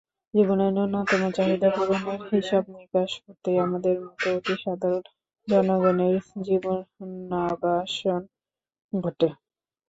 জীবনের ন্যূনতম চাহিদা পূরণের হিসাবনিকাশ করতেই আমাদের মতো অতিসাধারণ জনগণের জীবনাবসান ঘটে।